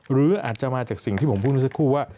หรืออาจจะมาจากสิ่งที่ผมพูดมาสักครู่ว่า